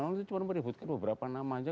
orang itu cuma meributkan beberapa nama saja